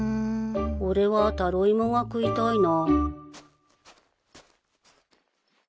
俺はタロイモが食いたいな。